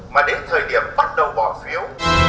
mà đến thời điểm bắt đầu bỏ phiếu